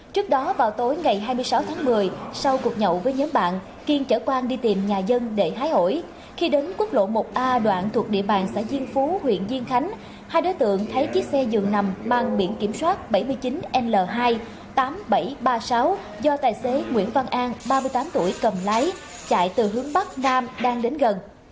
trước đó vào tối ngày hai mươi sáu tháng một mươi sau cuộc nhậu với nhóm bạn kiên chở quang đi tìm nhà dân để hái ổi khi đến quốc lộ một a đoạn thuộc địa bàn xã diên phú huyện diên khánh hai đối tượng thấy chiếc xe dường nằm mang biển kiểm soát bảy mươi chín l hai tám nghìn bảy trăm ba mươi sáu do tài xế nguyễn văn an ba mươi tám tuổi cầm lái chạy từ hướng bắc nam đang đến gần